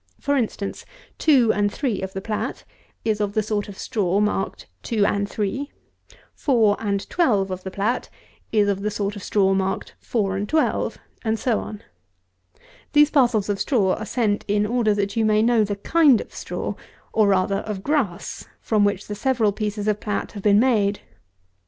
For instance, 2 and 3 of the plat is of the sort of straw marked 2 and 3; 4 and 12 of the plat is of the sort of straw marked 4 and 12; and so on. These parcels of straw are sent in order that you may know the kind of straw, or rather, of grass, from which the several pieces of plat have been made.